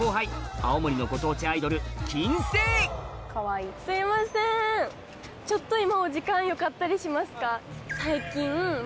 青森のご当地アイドル金星すいません今。